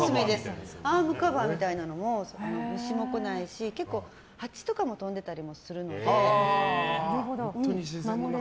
アームカバーみたいなのも虫も来ないし結構ハチとかも飛んでたりするので。